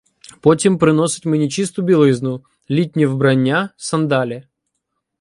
Потім приносить мені чисту білизну, літнє вбрання, сандалі.